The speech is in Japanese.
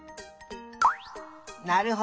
なるほど。